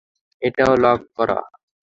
এটাও লক করা।